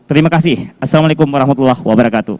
terima kasih assalamualaikum warahmatullahi wabarakatuh